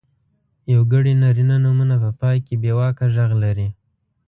یوګړي نرينه نومونه په پای کې بېواکه غږ لري.